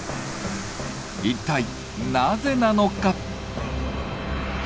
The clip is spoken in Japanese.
一体なぜなのか？